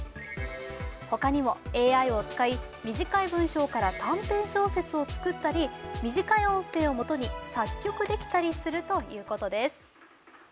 他にもＡＩを使い短い文章から短編小説を作ったり短い音声をもとに作曲できたりするということです。